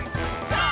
さあ！